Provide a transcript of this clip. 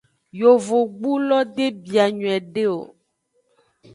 Yovogbulo de bia nyuiede o.